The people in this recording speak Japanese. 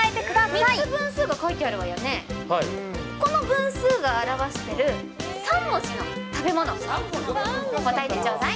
３つ分数が書いてあるわよね、この分数が表している食べ物、答えてちょうだい。